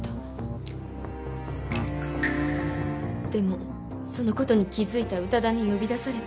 でもその事に気づいた宇多田に呼び出されて。